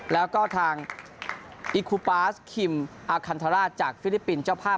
แล้วก็ทางอิคูปาสคิมอาคันทราชจากฟิลิปปินส์เจ้าภาพ